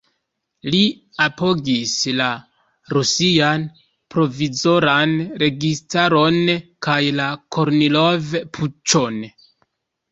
Li apogis la Rusian provizoran registaron kaj la Kornilov-puĉon.